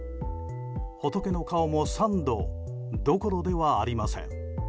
仏の顔も三度どころではありません。